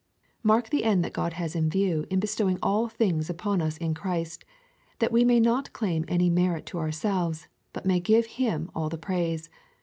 Mark the end that God has in view in bestowing all things upon us in Christ — that we may not claim any merit to ourselves, but may give him all the praise.